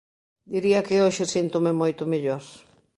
Diría que hoxe síntome moito mellor.